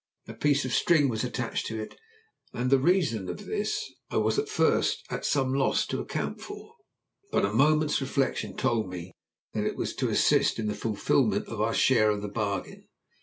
A piece of string was attached to it, and the reason of this I was at first at some loss to account for. But a moment's reflection told me that it was to assist in the fulfilment of our share of the bargain.